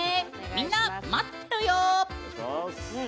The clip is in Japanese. みんな待ってるよ！